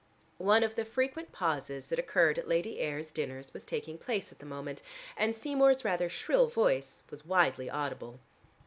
One of the frequent pauses that occurred at Lady Ayr's dinners was taking place at the moment, and Seymour's rather shrill voice was widely audible.